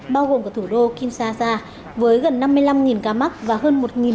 bao gồm cả thủ đô kinshasa với gần năm mươi năm ca mắc và hơn một một trăm linh ca tử vong